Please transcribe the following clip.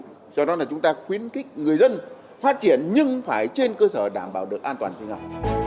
do đó là chúng ta khuyến khích người dân phát triển nhưng phải trên cơ sở đảm bảo được an toàn sinh học